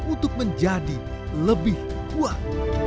untuk menjadi lebih kuat